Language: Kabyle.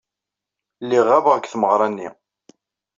Lliɣ ɣabeɣ deg tmeɣra-nni.